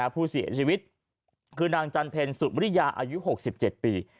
ผู้เสียชีวิตคือนางจันเพ็ญสุมริยาอายุ๖๗ปี